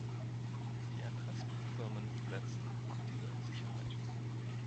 Die Adressbuchfirmen setzen auf diese Unsicherheit.